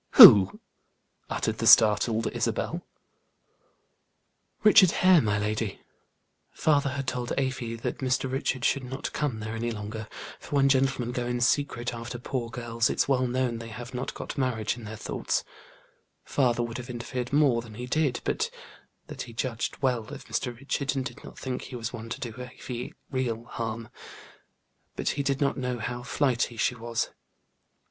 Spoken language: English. "Who?" uttered the startled Isabel. "Richard Hare, my lady. Father had told Afy that Mr. Richard should not come there any longer, for when gentlemen go in secret after poor girls, it's well known they have not got marriage in their thoughts; father would have interfered more than he did, but that he judged well of Mr. Richard, and did not think he was one to do Afy real harm, but he did not know how flighty she was.